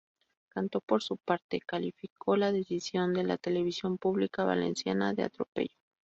Cantó, por su parte, calificó la decisión de la televisión pública valenciana de "atropello".